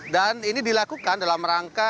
dan ini dilakukan dalam rangka